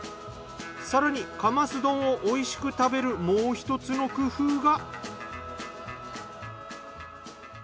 更にカマス丼をおいしく食べるもう１つの工夫が。